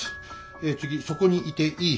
え次そこにいていい。